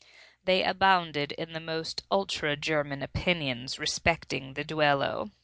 They abounded in the most ultra German opinions respecting the duello.